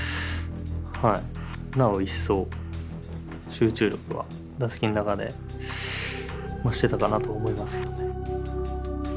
なおいっそう集中力は打席の中でしてたかなと思いますよね。